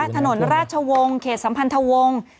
ถนนราชวงศ์เขตสัมพันธวงศ์